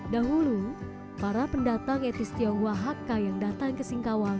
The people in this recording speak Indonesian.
dahulu para pendatang etnis tionghoa hakka yang datang ke singkawang